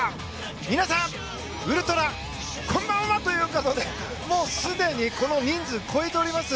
皆さん、ウルトラこんばんは！ということでもうすでに、この人数超えております。